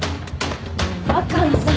若菜さん。